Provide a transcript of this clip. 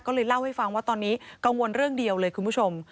ก็เลยเล่าให้ฟังว่าตอนนี้กังวลเรื่องเดียวเลยคุณผู้ชม